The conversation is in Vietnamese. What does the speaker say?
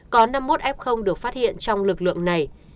có năm mươi một f được phát hiện trong lực lượng này